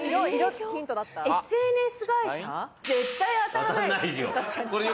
絶対当たらないですよ。